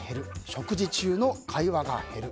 食事中の会話が減る。